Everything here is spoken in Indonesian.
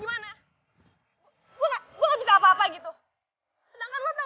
agar kita tidak pernah terkenal